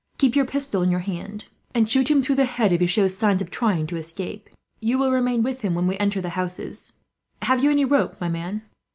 Keep your pistol in your hand, and shoot him through the head, if he shows signs of trying to escape. You will remain with him when we enter the houses. "Have you any rope, my man?"